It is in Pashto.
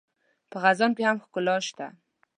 په خزان کې هم ښکلا شته